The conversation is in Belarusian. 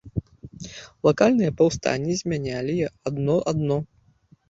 Лакальныя паўстанні змянялі адно адно.